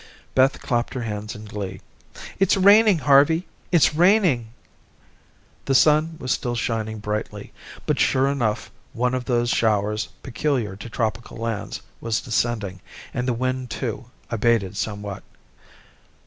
Beth clapped her hands in glee. "It's raining, Harvey; it's raining." The sun was still shining brightly, but, sure enough, one of those showers peculiar to tropical lands was descending, and the wind, too, abated somewhat.